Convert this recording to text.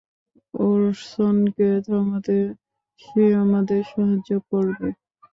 ওরসনকে থামাতে সে আমাদের সাহায্য করবে।